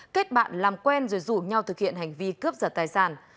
kết bạn làm quen rồi rủ nhau thực hiện hành vi cướp giật tài sản